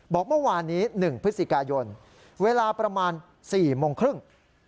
บอกเมื่อวานนี้๑พฤศจิกายนเวลาประมาณ๔โมงครึ่ง